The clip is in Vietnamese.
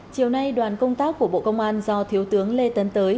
chiều nay đoàn công tác của bộ công an do thiếu tướng lê tấn tới